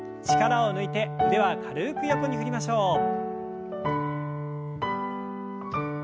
力を抜いて腕は軽く横に振りましょう。